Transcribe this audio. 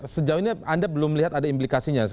sejauh ini anda belum melihat ada implikasinya